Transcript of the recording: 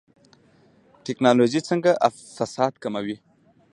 ټکنالوژي څنګه فساد کموي؟